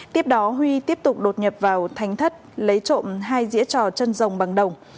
tiếp đó huy tiếp tục đột nhập vào thánh thất lấy trộm hai dĩa trò chân rồng bằng đồng